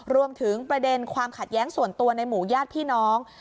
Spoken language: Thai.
รวมถึงประเด็นความขัดแย้งส่วนตัวในหมู่ญาติพี่น้อง